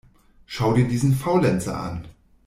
Schau dir diesen Faulenzer an!